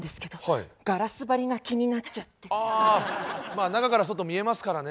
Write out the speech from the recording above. あ中から外見えますからね。